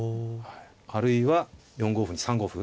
あるいは４五歩に３五歩。